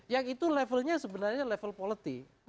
yang itu levelnya sebenarnya level politik